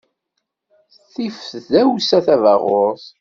Tif tdawsa tabaɣurt.